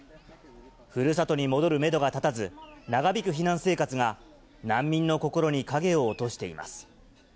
ふるさとに戻るメドが立たず、長引く避難生活が、難民の心に影を落としています。